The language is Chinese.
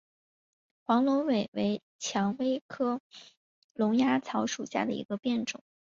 黄龙尾为蔷薇科龙芽草属下的一个变种。